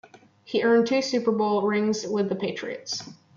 He earned two Super Bowl rings with the Patriots.